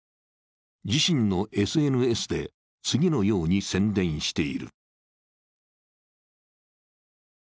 自身のＳＮＳで次のように宣伝している。